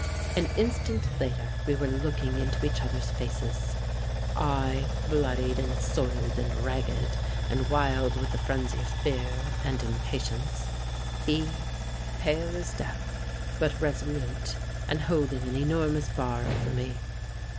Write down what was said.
An instant later we were looking into each other's faces, I, bloody and soiled and ragged and wild with the frenzy of fear and impatience; he, pale as death, but resolute, and holding an enormous bar over me.